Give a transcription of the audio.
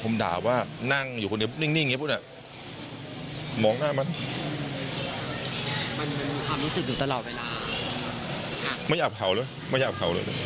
ไม่อยากเผาเลยไม่อยากเผาเลย